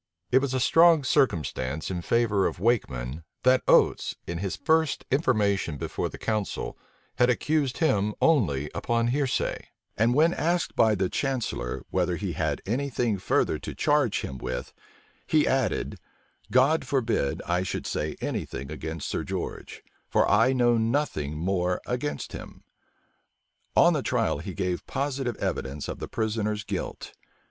It was a strong circumstance in favor of Wakeman, that Oates, in his first information before the council, had accused him only upon hearsay; and when asked by the chancellor, whether he had any thing further to charge him with, he added, "God forbid I should say any thing against Sir George; for I know nothing more against him." On the trial he gave positive evidence of the prisoner's guilt.